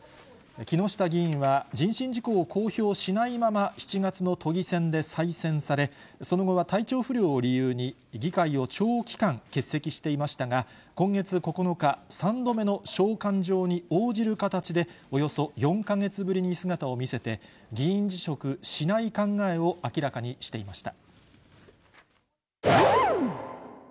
木下議員は、人身事故を公表しないまま７月の都議選で再選され、その後は体調不良を理由に、議会を長期間、欠席していましたが、今月９日、３度目の召喚状に応じる形で、およそ４か月ぶりに姿を見せて、議員辞職しない考えを明らかにしていました。